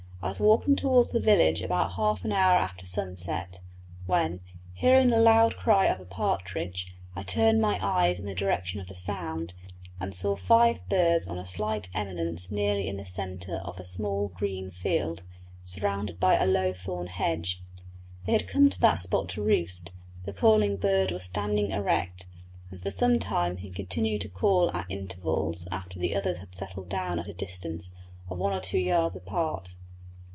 I was walking towards the village about half an hour after sunset, when, hearing the loud call of a partridge, I turned my eyes in the direction of the sound and saw five birds on a slight eminence nearly in the centre of a small green field, surrounded by a low thorn hedge. They had come to that spot to roost; the calling bird was standing erect, and for some time he continued to call at intervals after the others had settled down at a distance of one or two yards apart.